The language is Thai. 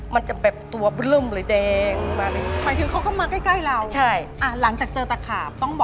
มันจะแบบตัวเริ่มเลยแดง